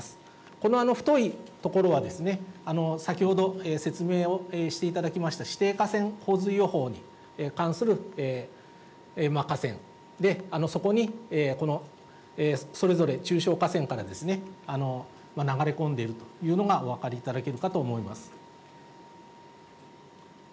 この太い所は、先ほど説明をしていただきました指定河川洪水予報に関する河川で、そこにこのそれぞれ中小河川からですね、流れ込んでいるというのがお分かりいただけるかと思います。